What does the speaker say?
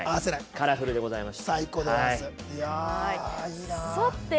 カラフルでございます。